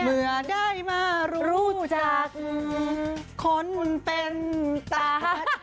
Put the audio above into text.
เมื่อได้มารู้จักคนเป็นตาคือเจ้า